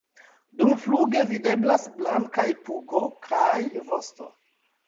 Dumfluge videblas blankaj pugo kaj vosto.